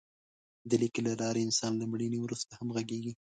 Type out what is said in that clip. د لیک له لارې انسان له مړینې وروسته هم غږېږي.